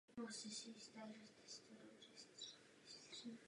Musí dojít k posílení dopravní a energetické politiky.